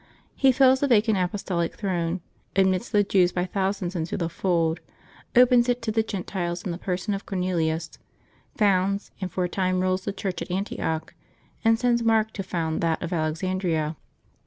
He fills the vacant apostolic throne; admits the Jews by thousands into the fold; opens it to the Gentiles June 30] ' LIYE8 OF THE SAINTS 233 in the person of Cornelius; founds, and for a time rules, the Church at Antioch, and sends Mark to found that of Alexandria.